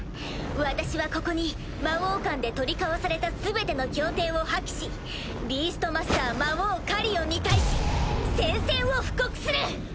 私はここに魔王間で取り交わされた全ての協定を破棄しビーストマスター魔王カリオンに対し宣戦を布告する！